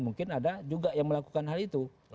mungkin ada juga yang melakukan hal itu